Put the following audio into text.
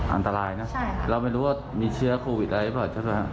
อันตรายนะเราไม่รู้ว่ามีเชื้อโควิดอะไรบ้าง